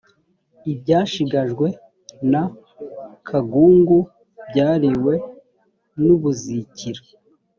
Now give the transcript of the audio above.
ibyashigajwe na kagungu byariwe n ‘ubuzikira